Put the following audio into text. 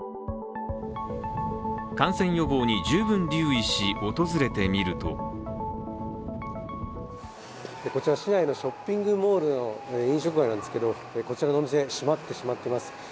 感染予防に十分留意し、訪れてみるとこちら、市内のショッピングモールの飲食街なんですけどこちらのお店、閉まってしまってます。